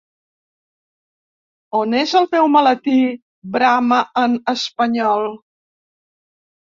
¿On és el meu maletí?, brama en espanyol.